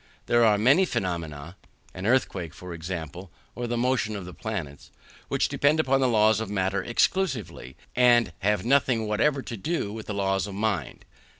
There are many phenomena (an earthquake, for example, or the motions of the planets) which depend upon the laws of matter exclusively; and have nothing whatever to do with the laws of mind.